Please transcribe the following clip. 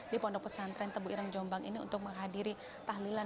di pondok pesantren tebu ireng jombang ini untuk menghadiri tahlilan